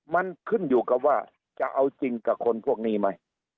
มันขึ้นอยู่กับว่าจะเอาจริงกับคนพวกนี้ไหม